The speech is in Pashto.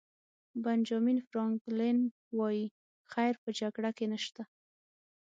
بنجامین فرانکلن وایي خیر په جګړه کې نشته.